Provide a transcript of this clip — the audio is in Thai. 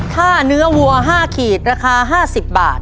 เนื้อวัว๕ขีดราคา๕๐บาท